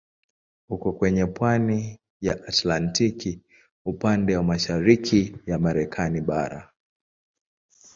Uko kwenye pwani ya Atlantiki upande wa mashariki ya Marekani bara.